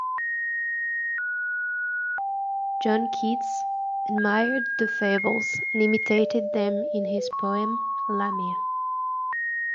John Keats admired the "Fables", and imitated them in his poem "Lamia".